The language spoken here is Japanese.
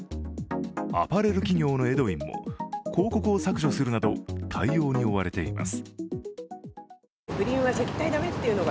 アパレル企業のエドウィンも広告を削除するなど対応に追われています。